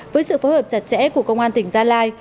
với sự phối hợp chặt chẽ của công an tỉnh gia lai